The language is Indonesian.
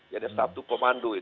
jadi satu komando